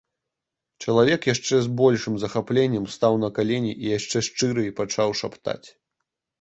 Чалавек яшчэ з большым захапленнем стаў на калені і яшчэ шчырэй пачаў шаптаць.